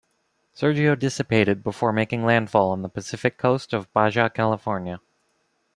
Sergio dissipated before making landfall on the Pacific coast of Baja California.